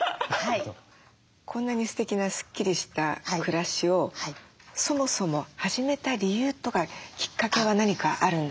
こんなにすてきなスッキリした暮らしをそもそも始めた理由とかきっかけは何かあるんですか？